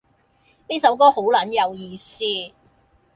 呢首歌好撚有意思